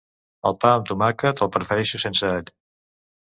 El pà amb tomàquet, el prefereixo sense all.